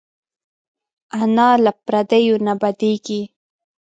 انا له پردیو نه بدېږي